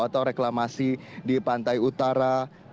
atau reklamasi di pantai utara